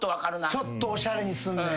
ちょっとおしゃれにすんねん。